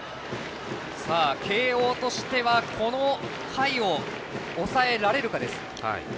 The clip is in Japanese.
慶応としては、この回を抑えられるかです。